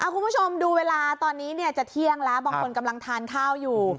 คุณผู้ชมดูเวลาตอนนี้จะเที่ยงแล้วบางคนกำลังทานข้าวอยู่